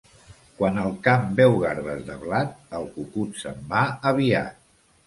Quan al camp veu garbes de blat, el cucut se'n va aviat.